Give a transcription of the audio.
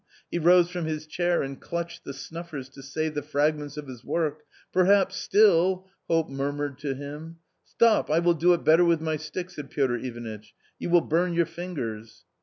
He rose from his chair and clutched the snuffers to save the fragments of his work. " Perhaps, still " hope murmured to him. " Stop, I will do it better with my stick," said Piotr Ivan itch. " You will burn your fingers."